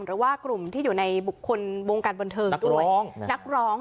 หรือว่ากลุ่มที่อยู่ในบุคคลวงการบันเทิงด้วยนักร้อง